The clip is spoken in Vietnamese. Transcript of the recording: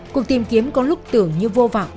cuộc tìm kiếm có lúc tưởng như vô vọng